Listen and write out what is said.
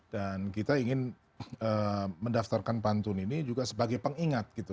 dan kita ingin mendaftarkan pantun ini juga sebagai pengingat gitu